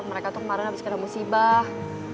mereka tuh kemarin habis kira musibah